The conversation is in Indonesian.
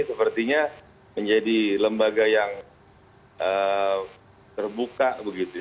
sepertinya menjadi lembaga yang terbuka begitu ya